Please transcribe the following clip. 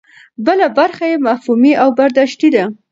بله برخه یې مفهومي او برداشتي ده.